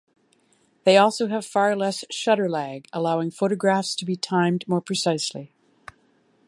They also have far less shutter lag, allowing photographs to be timed more precisely.